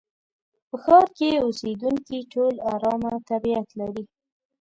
په ښار کې اوسېدونکي ټول ارامه طبيعت لري.